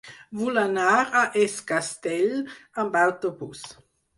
Vull anar a Es Castell amb autobús.